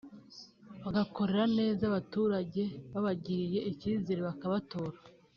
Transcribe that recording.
bagakorera neza abaturage babagiriye icyizere bakabatora